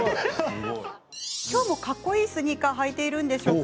今日もかっこいいスニーカー履いているんでしょうか。